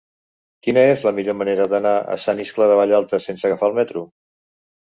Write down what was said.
Quina és la millor manera d'anar a Sant Iscle de Vallalta sense agafar el metro?